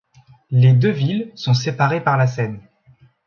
Les deux villes sont séparées par la Seine.